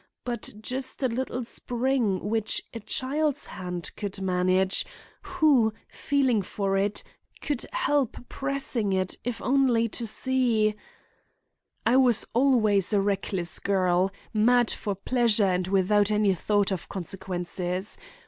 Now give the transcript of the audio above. But just a little spring which a child's hand could manage—Who, feeling for it, could help pressing it, if only to see— "I was always a reckless girl, mad for pleasure and without any thought of consequences.